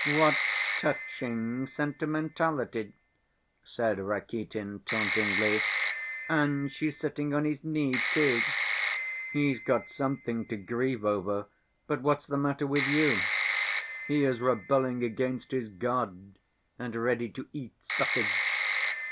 "What touching sentimentality!" said Rakitin tauntingly; "and she's sitting on his knee, too! He's got something to grieve over, but what's the matter with you? He is rebelling against his God and ready to eat sausage...."